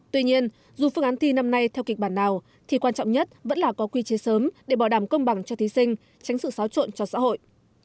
tuy nhiên dù phương án thi năm nay theo kịch bản nào thì quan trọng nhất vẫn là có quy chế sớm để bỏ đảm công bằng cho thí sinh tránh sự xáo trộn cho xã hội